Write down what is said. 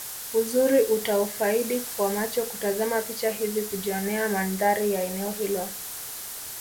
Uzuri utaufaidi kwa macho kutazama picha hizi kujionea mandhari ya eneo hilo